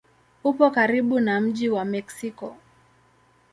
Upo karibu na mji wa Meksiko.